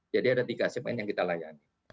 jadi ada tiga segmen yang kita layani